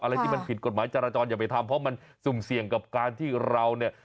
อะไรที่มันผิดกฎหมายจราจรอย่าไปทำเพราะมันสุ่มเสี่ยงกับการที่เราเนี่ย